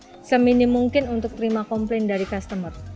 jadi kita seminim mungkin untuk terima komplain dari customer